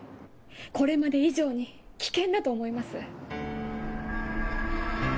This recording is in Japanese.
これまで以上に危険だと思います。